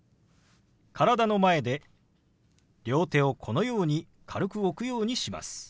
体の前で両手をこのように軽く置くようにします。